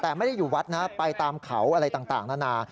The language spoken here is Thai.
แต่ไม่ได้อยู่วัดนะไปตามเขาอะไรต่างนานา